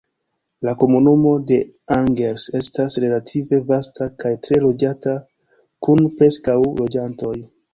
La komunumo de Angers estas relative vasta kaj tre loĝata kun preskaŭ loĝantoj.